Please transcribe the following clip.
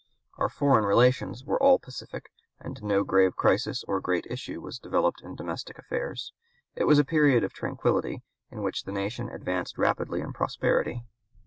Our foreign relations were all pacific; and no grave crisis or great issue was developed in domestic affairs. It was a period of tranquillity, in which the nation advanced rapidly in prosperity.